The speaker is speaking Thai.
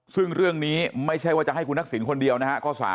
ซึ่งเรื่องนี้ไม่ใช่ว่าจะให้คุณทักษิณคนเดียวนะฮะ